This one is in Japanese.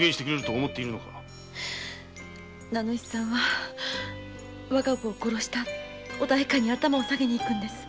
名主さんはわが子を殺した代官に頭を下げに行くんです。